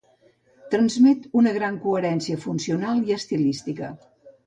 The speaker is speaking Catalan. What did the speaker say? Transmet una gran coherència funcional i estilística.